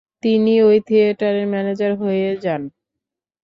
তিনি ওই থিয়েটারের ম্যানেজার হয়ে যান ।